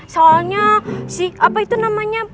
soalnya si apa itu namanya